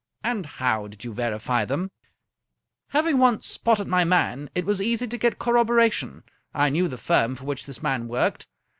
" And how did you verify them ?"" Having once spotted my man, it was easy to get cor roboration. I knew the firm for which this man worked.